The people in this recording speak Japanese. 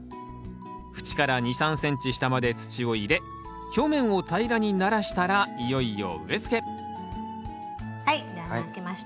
縁から２３ｃｍ下まで土を入れ表面を平らにならしたらいよいよ植え付けはい穴開けました。